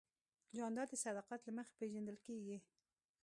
جانداد د صداقت له مخې پېژندل کېږي.